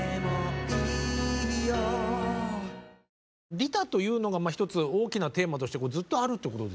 「利他」というのが一つ大きなテーマとしてずっとあるってことですよね。